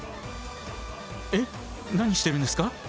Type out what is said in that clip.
えっ何してるんですか？